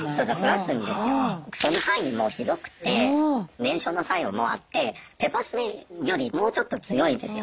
その範囲も広くて燃焼の作用もあってペッパースプレーよりもうちょっと強いですよ。